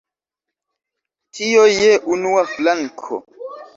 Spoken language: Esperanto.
Tio je unua flanko.